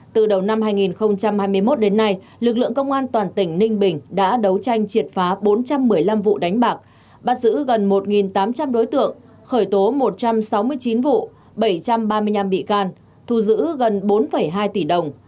từ đầu năm hai nghìn hai mươi một đến nay lực lượng công an toàn tỉnh ninh bình đã đấu tranh triệt phá bốn trăm một mươi năm vụ đánh bạc bắt giữ gần một tám trăm linh đối tượng khởi tố một trăm sáu mươi chín vụ bảy trăm ba mươi năm bị can thu giữ gần bốn hai tỷ đồng